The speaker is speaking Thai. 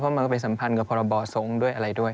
มันก็ไปสัมพันธ์กับพรบทรงด้วยอะไรด้วย